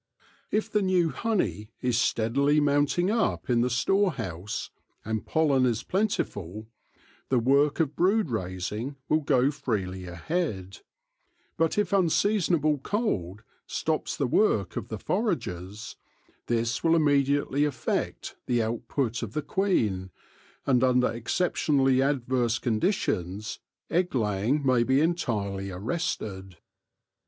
If the new honey is steadily mounting up in the storehouse, and pollen is plentiful, the work of brood raising will go freely ahead ; but if unseason able cold stops the work of the foragers, this will immediately affect the output of the queen, and under exceptionally adverse conditions egg laying may be entirely arrested.